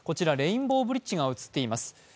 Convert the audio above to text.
レインボーブリッジが映っています。